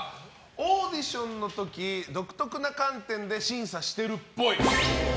オーディションの時独特な観点で審査してるっぽい。